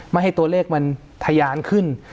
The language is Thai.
ไม่ให้ตัวเลขมันทะยานขึ้น